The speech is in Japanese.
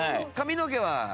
髪の毛は？